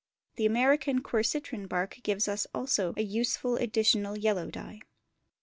The American quercitron bark gives us also a useful additional yellow dye.